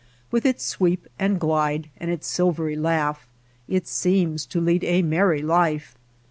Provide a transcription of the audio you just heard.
With its sweep and glide and its silvery laugh it seems to lead a merry life.